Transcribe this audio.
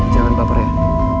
jangan paper ya